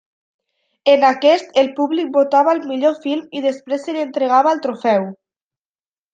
En aquest el públic votava el millor film i després se li entregava el trofeu.